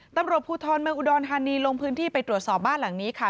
ตำรวจภูทรเมืองอุดรธานีลงพื้นที่ไปตรวจสอบบ้านหลังนี้ค่ะ